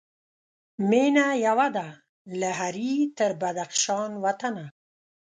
مېنه یوه ده له هري تر بدخشان وطنه